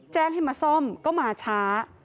แจ้งให้มาซ่อมก็มาช้า